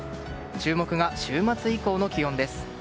注目が週末以降の気温です。